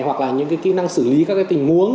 hoặc là những cái kỹ năng xử lý các cái tình huống